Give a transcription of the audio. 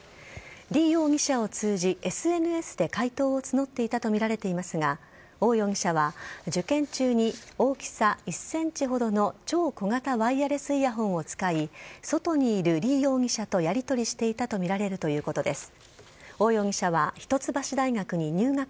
リ容疑者を通じＳＮＳで解答を募っていたとみられていますがオウ容疑者は受験中に大きさ１ｃｍほどの超小型ワイヤレスイヤホンを使い外にいるリ容疑者とやりとりしていたとみられるということです。